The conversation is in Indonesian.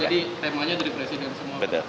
oh jadi temanya jadi presiden semua